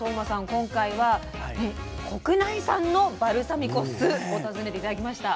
今回は国内産のバルサミコ酢を訪ねて頂きました。